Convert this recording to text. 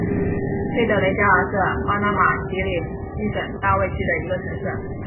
佩德雷加尔是巴拿马奇里基省大卫区的一个城市。